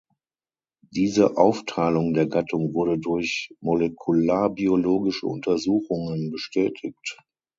Diese Aufteilung der Gattung wurde durch molekularbiologische Untersuchungen bestätigt.